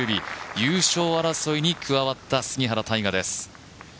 優勝争いに加わった杉原大河です。